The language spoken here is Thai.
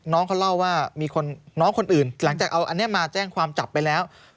น้องเขาเล่าว่ามีคนน้องคนอื่นหลังจากเอาอันนี้มาแจ้งความจับไปแล้ว